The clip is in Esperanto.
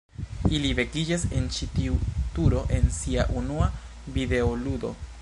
Ili vekiĝas en ĉi tiu turo en sia unua videoludo.